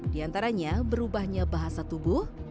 di antaranya berubahnya bahasa tubuh